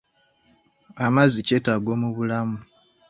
Amazzi kyetaago mu bulamu.